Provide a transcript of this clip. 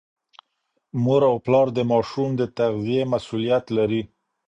مور او پلار د ماشوم د تغذیې مسؤلیت لري.